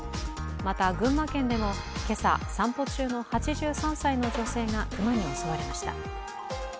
また、群馬県でも今朝散歩中の８３歳の女性が熊に襲われました。